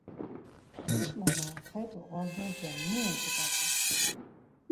Kukla na xet̆u ordzoşen mi etzuǩap̌u?